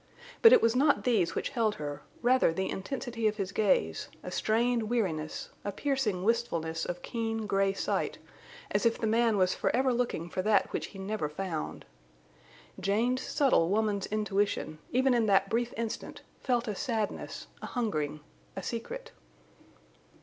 But it was not these which held her, rather the intensity of his gaze, a strained weariness, a piercing wistfulness of keen, gray sight, as if the man was forever looking for that which he never found. Jane's subtle woman's intuition, even in that brief instant, felt a sadness, a hungering, a secret.